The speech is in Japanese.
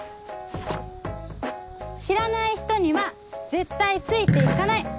知らない人には絶対ついて行かない。